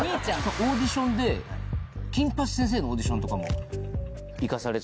オーディションで『金八先生』のオーディションとかも行かされてて。